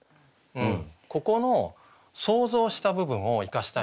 ここの想像した部分を生かしたいんですよ。